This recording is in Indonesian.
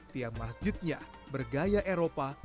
tiang masjidnya bergaya eropa